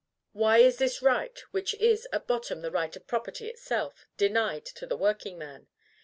Why is this right, which is at bottom the right of property itself, denied to the workingman?